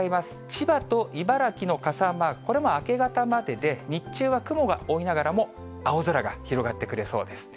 千葉と茨城の傘マーク、これも明け方までで、日中は雲が多いながらも、青空が広がってくれそうです。